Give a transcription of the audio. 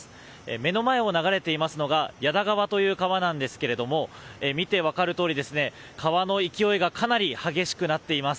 目の前を流れていますのが矢田川という川なんですが見て分かるとおり、川の勢いがかなり激しくなっています。